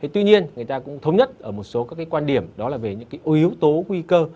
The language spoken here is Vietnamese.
tuy nhiên người ta cũng thống nhất ở một số các quan điểm đó là về những yếu tố nguy cơ